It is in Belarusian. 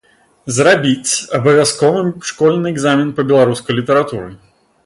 Зрабіць абавязковым школьны экзамен па беларускай літаратуры.